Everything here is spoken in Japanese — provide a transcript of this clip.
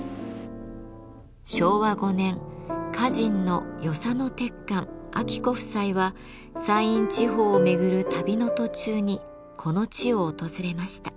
昭和５年歌人の与謝野鉄幹晶子夫妻は山陰地方を巡る旅の途中にこの地を訪れました。